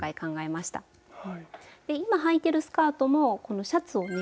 で今はいてるスカートもシャツをね